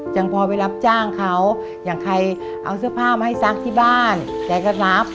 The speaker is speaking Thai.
ยังพอไปรับจ้างเขาอย่างใครเอาเสื้อผ้ามาให้ซักที่บ้านแกก็รับ